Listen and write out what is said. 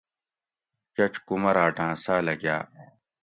چچ کُمراۤٹاۤں ساۤلہ گاۤ